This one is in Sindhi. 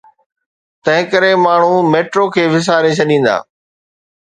تنهنڪري ماڻهو ميٽرو کي وساري ڇڏيندا.